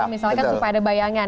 misalkan supaya ada bayangan